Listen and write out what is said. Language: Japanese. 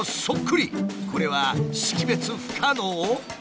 これは識別不可能？